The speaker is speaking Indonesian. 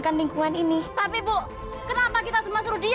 dan ini cerita adalah untuk laku yang sudahident